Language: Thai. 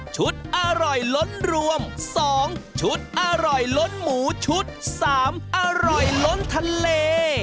อร่อยล้นรวม๒ชุดอร่อยล้นหมูชุด๓อร่อยล้นทะเล